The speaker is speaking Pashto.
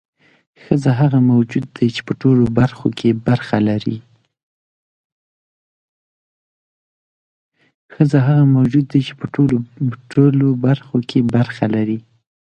ښځه هغه موجود دی چې په ټولو برخو کې برخه لري.